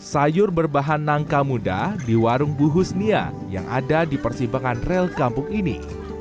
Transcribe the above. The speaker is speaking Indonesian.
sayur berbahan nangka muda di warung bu husnia yang ada di persibakan rel kampung ini